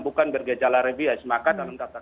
bukan bergejala rabies maka dalam kata